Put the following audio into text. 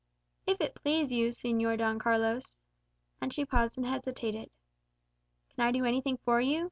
"If it please you, Señor Don Carlos " and she paused and hesitated. "Can I do anything for you?"